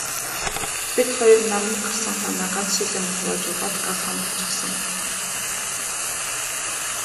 Бид хоёр наранд гарсан хойноо ганц шил юм хувааж уугаад гал хам болчихсон.